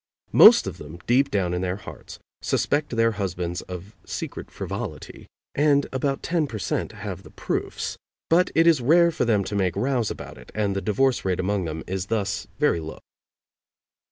Most of them, deep down in their hearts, suspect their husbands of secret frivolity, and about ten per cent. have the proofs, but it is rare for them to make rows about it, and the divorce rate among them is thus very low.